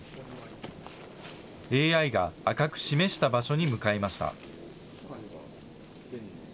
ＡＩが赤く示した場所に向かいました。